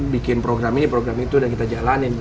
bikin program ini program itu dan kita jalanin